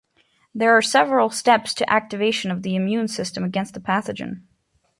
There are several steps to activation of the immune system against a pathogen.